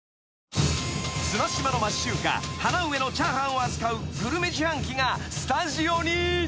［綱島の町中華ハナウエのチャーハンを扱うグルメ自販機がスタジオに］